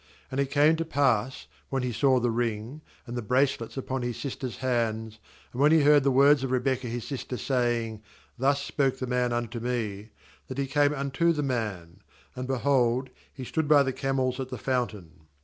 30And it came to pass, when he saw the ring, and the bracelets upon his sister's hands, and when he heard the words of Rebekah his sister, saying: "Thus spoke the man unto me,' that he came unto the man; and, behold, he stood by the camels at the fountain.